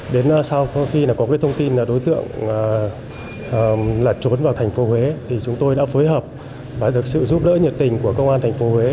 đến sau khi có thông tin đối tượng trốn vào thành phố huế chúng tôi đã phối hợp và được sự giúp đỡ nhiệt tình của công an thành phố huế